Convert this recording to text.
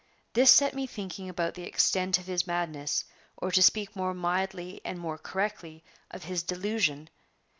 This set me thinking about the extent of his madness, or to speak more mildly and more correctly, of his delusion.